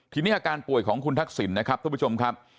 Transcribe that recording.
ทีนี้อาการป่วยของคุณทักษิณนะครับทุกผู้ชมครับ